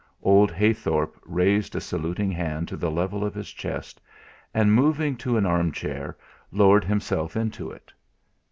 Old Heythorp raised a saluting hand to the level of his chest and moving to an arm chair, lowered himself into it.